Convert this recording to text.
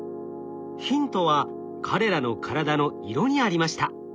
ヒントは彼らの体の色にありました。